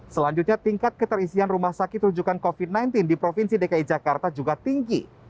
selanjutnya tingkat keterisian rumah sakit rujukan covid sembilan belas di provinsi dki jakarta juga tinggi